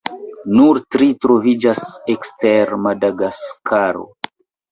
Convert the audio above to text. Nur tri troviĝas ekster Madagaskaro.